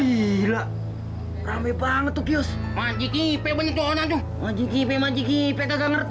itu kiosk manjikipe banyak jualan itu manjikipe manjikipe gak ngerti